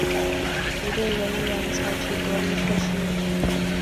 不对人员采取隔离措施